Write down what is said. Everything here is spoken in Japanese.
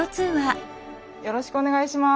よろしくお願いします。